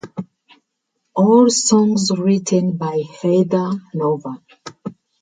All songs written by Heather Nova.